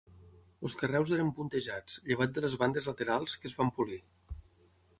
Els carreus eren puntejats, llevat de les bandes laterals, que es van polir.